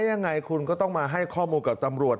ยังไงคุณก็ต้องมาให้ข้อมูลกับตำรวจ